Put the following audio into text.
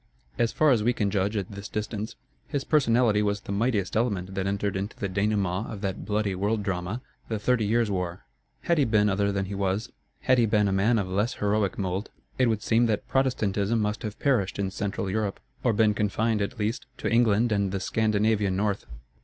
As far as we can judge at this distance, his personality was the mightiest element that entered into the dénouement of that bloody world drama, the Thirty Years' War. Had he been other than he was, had he been a man of less heroic mould, it would seem that Protestantism must have perished in Central Europe, or been confined, at least, to England and the Scandinavian North.